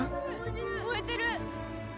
燃えてる！